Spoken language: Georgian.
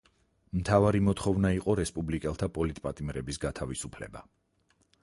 მთავარი მოთხოვნა იყო რესპუბლიკელთა პოლიტპატიმრების გათავისუფლება.